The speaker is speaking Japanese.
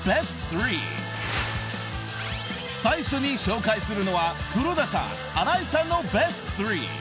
［最初に紹介するのは黒田さん荒井さんのベスト３］